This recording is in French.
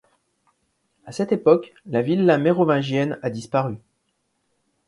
À cette époque, la villa mérovingienne a disparu.